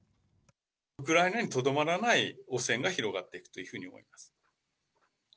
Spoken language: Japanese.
ウクライナにとどまらない汚染が広がっていくというふうに思います。